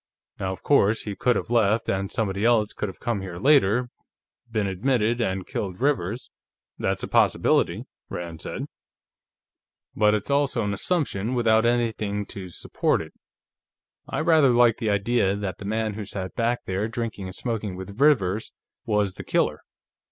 "Now, of course, he could have left, and somebody else could have come here later, been admitted, and killed Rivers. That's a possibility," Rand said, "but it's also an assumption without anything to support it. I rather like the idea that the man who sat back there drinking and smoking with Rivers was the killer.